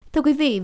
thưa quý vị